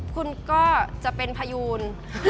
คุณก็จะเป็นพยูน